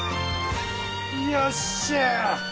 よっしゃ！